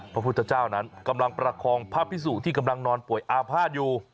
พระพุทธเจ้านั้นกำลังประคองพระพิสุที่กำลังนอนป่วยอาภาษณ์อยู่